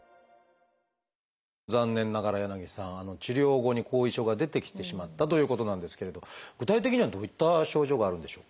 残念ながら柳さん治療後に後遺症が出てきてしまったということなんですけれど具体的にはどういった症状があるんでしょうか？